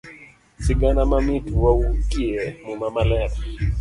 Sigana mamit wuokie muma maler.